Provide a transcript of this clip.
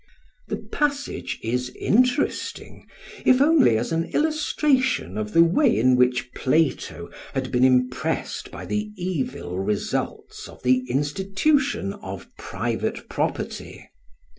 ] The passage is interesting, if only as an illustration of the way in which Plato had been impressed by the evil results of the institution of private property.